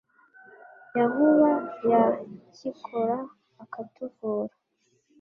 Ya Nkuba ya Cyikora akatuvura.